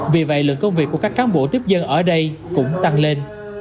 vì vậy lượng công việc của các cán bộ tiếp dân ở đây cũng tăng lên